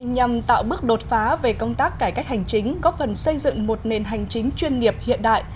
nhằm tạo bước đột phá về công tác cải cách hành chính góp phần xây dựng một nền hành chính chuyên nghiệp hiện đại